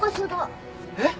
えっ？